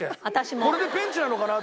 これでペンチなのかなと思って。